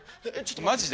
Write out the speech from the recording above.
マジで？